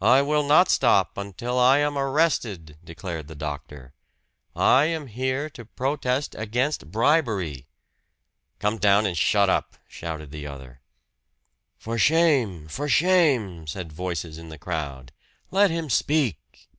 "I will not stop until I am arrested!" declared the doctor. "I am here to protest against bribery!" "Come down and shut up!" shouted the other. "For shame! For shame!" said voices in the crowd. "Let him speak!"